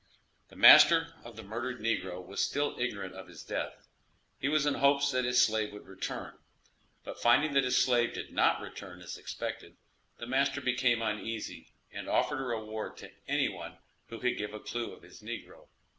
The master of the murdered negro was still ignorant of his death; he was in hopes that his slave would return. But finding that his slave did not return as expected, the master became uneasy, and offered a reward to any one who could give a clue of his negro.